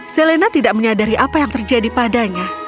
selena tidak menyadari apa yang terjadi padanya